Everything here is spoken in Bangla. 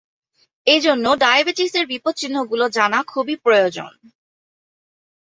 এ জন্য ডায়াবেটিসের বিপদ-চিহ্নগুলো জানা খুবই প্রয়োজন।